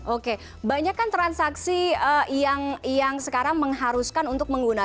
oke banyak kan transaksi yang sekarang mengharuskan untuk menggunakan